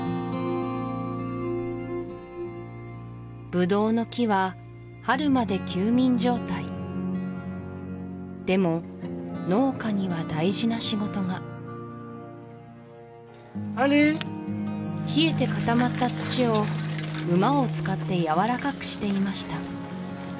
ブドウの木は春まで休眠状態でも農家には大事な仕事が冷えて固まった土を馬を使ってやわらかくしていました